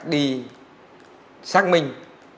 đi xác minh